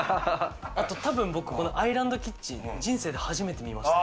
多分アイランドキッチン、人生で初めて見ました。